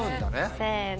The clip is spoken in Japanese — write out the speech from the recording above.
せの。